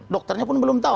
dokternya pun belum tahu